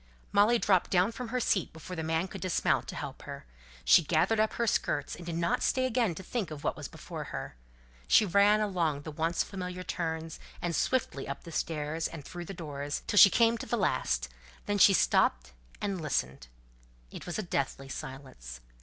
Molly dropped down from her seat before the man could dismount to help her. She gathered up her skirts and did not stay again to think of what was before her. She ran along the once familiar turns, and swiftly up the stairs, and through the doors, till she came to the last; then she stopped and listened. It was a deathly silence.